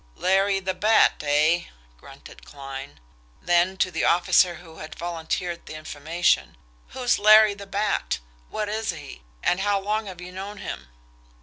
"Larry the Bat, eh?" grunted Kline; then, to the officer who had volunteered the information: "Who's Larry the Bat? What is he? And how long have you known him?"